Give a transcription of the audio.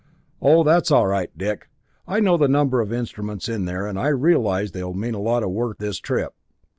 "Oh, that's all right, Dick, I know the number of instruments in there, and I realize they will mean a lot of work this trip.